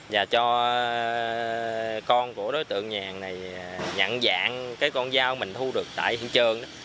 và cho con của đối tượng nhàn này nhận dạng cái con dao mình thu được tại hiện trường